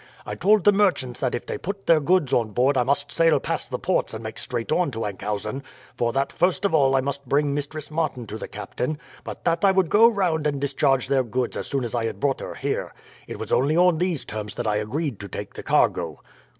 I told the merchants that if they put their goods on board I must sail past the ports and make straight on to Enkhuizen; for that first of all I must bring Mistress Martin to the captain, but that I would go round and discharge their goods as soon as I had brought her here. It was only on these terms I agreed to take the cargo."